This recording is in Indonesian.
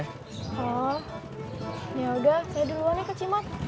oh yaudah saya duluan ya ke cimot